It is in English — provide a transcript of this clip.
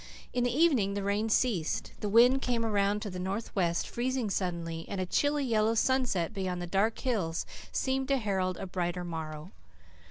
In the evening the rain ceased, the wind came around to the northwest, freezing suddenly, and a chilly yellow sunset beyond the dark hills seemed to herald a brighter morrow.